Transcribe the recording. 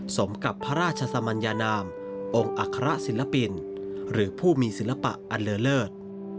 สมกับพระราชสมัญญานามองค์อัคระศิลปินหรือผู้มีศิลปะอันเลอเลิศ